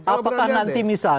apakah nanti misalnya kalau